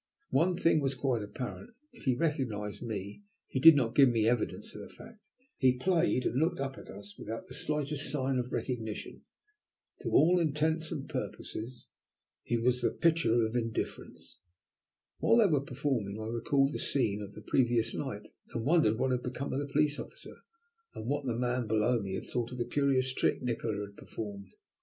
One thing was quite apparent; if he recognized me, he did not give me evidence of the fact. He played and looked up at us without the slightest sign of recognition. To all intents and purposes he was the picture of indifference. While they were performing I recalled the scene of the previous night, and wondered what had become of the police officer, and what the man below me had thought of the curious trick Nikola had performed?